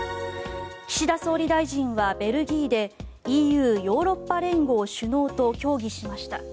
岸田総理大臣はベルギーでＥＵ・ヨーロッパ連合首脳と協議しました。